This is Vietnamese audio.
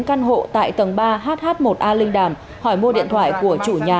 căn hộ tại tầng ba hh một a linh đàm hỏi mua điện thoại của chủ nhà